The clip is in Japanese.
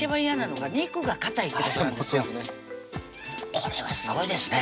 これはすごいですね